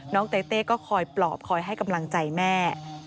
เต้เต้ก็คอยปลอบคอยให้กำลังใจแม่